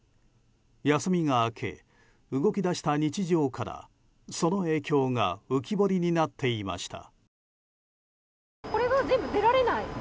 休みが明け動き出した日常からその影響が浮き彫りになっていました。